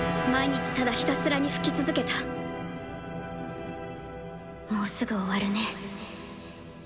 ひたすらに吹き続けたもうすぐ終わるね。